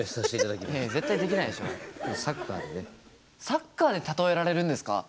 サッカーで例えられるんですか？